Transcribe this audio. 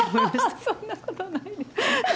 そんなことないです。